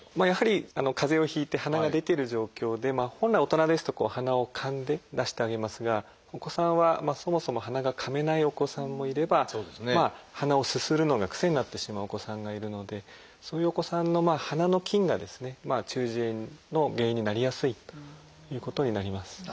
やはりかぜをひいてはなが出てる状況で本来大人ですとこうはなをかんで出してあげますがお子さんはそもそもはながかめないお子さんもいればはなをすするのが癖になってしまうお子さんがいるのでそういうお子さんのはなの菌がですね中耳炎の原因になりやすいということになります。